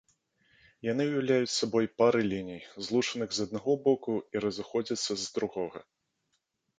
Яны ўяўляюць сабой пары ліній, злучаных з аднаго боку і разыходзяцца з другога.